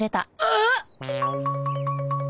あっ！